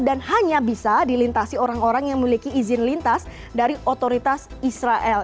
dan hanya bisa dilintasi orang orang yang memiliki izin lintas dari otoritas israel